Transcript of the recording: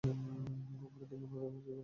অপরাধের মূল হোতা খুঁজে বের করতে হবে।